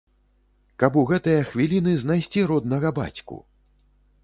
Каб у гэтыя хвіліны знайсці роднага бацьку!